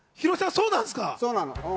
そうなの。